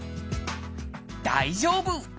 大丈夫！